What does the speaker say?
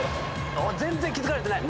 全然気付かれてない。